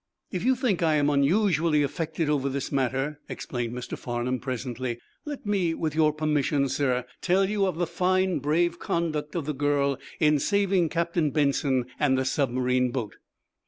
"If you think I am unusually affected over this matter," explained Mr. Farnum, presently, "let me, with your permission, sir, tell you of the fine, brave conduct of the girl in saving Captain Benson and the submarine boat."